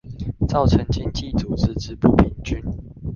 造成經濟組織之不平均